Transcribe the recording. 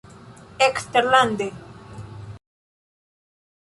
eksterlande